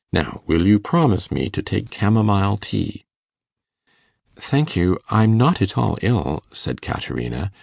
Now, will you promise me to take camomile tea?' 'Thank you: I'm not at all ill,' said Caterina.